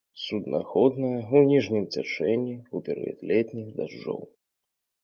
Суднаходная ў ніжнім цячэнні ў перыяд летніх дажджоў.